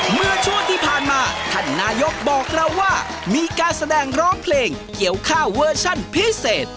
เมื่อช่วงที่ผ่านมาท่านนายกบอกเราว่ามีการแสดงร้องเพลงเกี่ยวข้าวเวอร์ชั่นพิเศษ